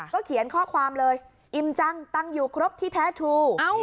เขียนข้อความเลยอิ่มจังตังอยู่ครบที่แท้ทู